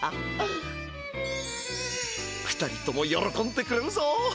２人ともよろこんでくれるぞ！